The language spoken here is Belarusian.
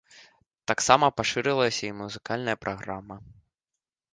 Таксама пашырылася і музыкальная праграма.